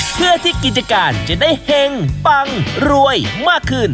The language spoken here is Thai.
เพื่อที่กิจการจะได้เห็งปังรวยมากขึ้น